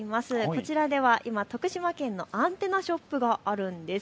こちらでは今、徳島県のアンテナショップがあるんです。